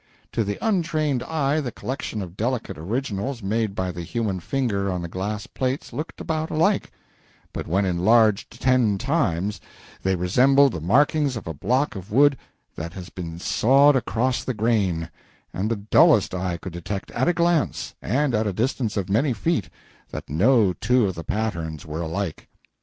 To the untrained eye the collection of delicate originals made by the human finger on the glass plates looked about alike; but when enlarged ten times they resembled the markings of a block of wood that has been sawed across the grain, and the dullest eye could detect at a glance, and at a distance of many feet, that no two of the patterns were alike.